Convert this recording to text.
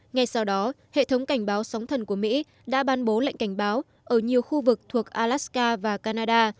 ngay sau đó hệ thống cảnh báo sóng thần của mỹ đã ban bố lệnh cảnh báo ở nhiều khu vực thuộc alaska và canada